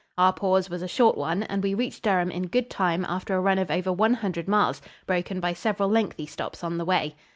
Our pause was a short one, and we reached Durham in good time after a run of over one hundred miles, broken by several lengthy stops on the way.